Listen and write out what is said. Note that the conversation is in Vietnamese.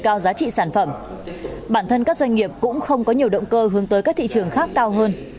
các doanh nghiệp cũng không có nhiều động cơ hướng tới các thị trường khác cao hơn